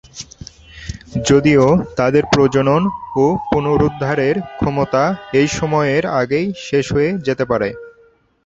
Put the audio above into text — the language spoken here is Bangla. যদিও তাদের প্রজনন ও পুনরুদ্ধারের ক্ষমতা এই সময়ের আগেই শেষ হয়ে যেতে পারে।